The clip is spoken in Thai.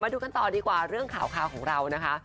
ดูกันต่อดีกว่าเรื่องข่าวของเรานะคะ